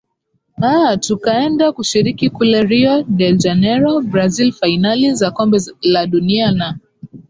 aa tukaenda kushiriki kule rio de janero brazil fainali za kombe la dunia na